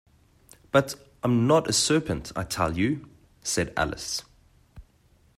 ‘But I’m not a serpent, I tell you!’ said Alice.